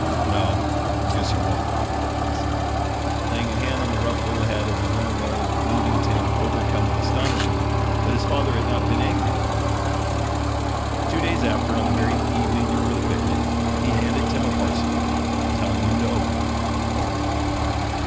"No, I guess you won't," he said, laying a hand on the rough little head as he went away leaving Tim overcome with astonishment that his father had not been angry with him. Two days after, on the very evening before the picnic, he handed Tim a parcel, telling him to open it.